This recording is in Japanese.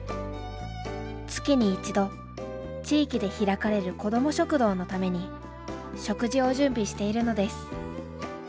月に１度地域で開かれる子ども食堂のために食事を準備しているのです。